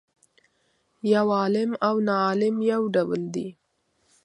یو عالم او ناعالم یو ډول دي.